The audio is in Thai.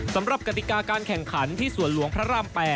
สำหรับกติกาการแข่งขันที่สวรรค์ราม๘